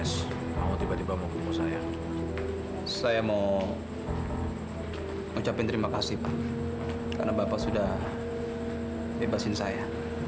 sampai jumpa di video selanjutnya